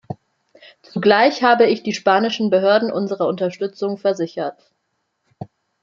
Zugleich habe ich die spanischen Behörden unserer Unterstützung versichert.